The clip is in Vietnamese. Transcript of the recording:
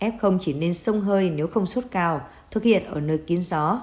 f chỉ nên sông hơi nếu không suốt cao thực hiện ở nơi kiến gió